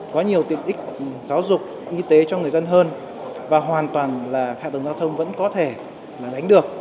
có nhiều tiện ích giáo dục y tế cho người dân hơn và hoàn toàn là hạ tầng giao thông vẫn có thể là đánh được